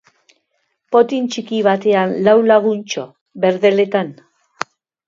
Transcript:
Potin txiki batean lau laguntxo, berdeletan.